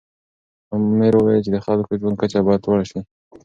امر وویل چې د خلکو د ژوند کچه باید لوړه سي.